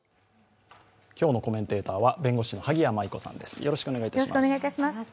今日のコメンテーターは弁護士の萩谷麻衣子さんです。